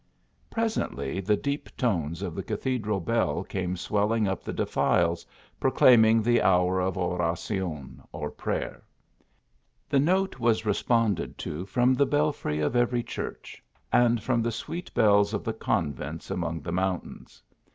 Presently the deep tones of the cathedral bell came swelling up the defiles, proclaiming the hour of Oracion, or prayer. The note was responded to from the belfry of every church, and from the sweet bells of the convents among the mountains.